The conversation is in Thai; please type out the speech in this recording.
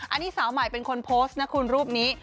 อันนี้สาวใหม่เป็นคนโพสต์นะคุณรูปนี้